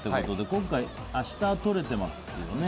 今回、下は取れてますよね。